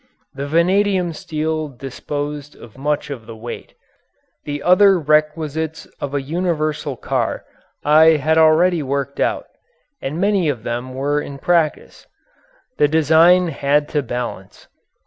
The vanadium steel disposed of much of the weight. The other requisites of a universal car I had already worked out and many of them were in practice. The design had to balance.